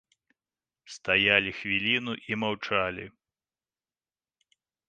Стаялі хвіліну і маўчалі.